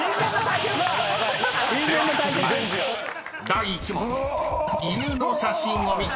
第１問］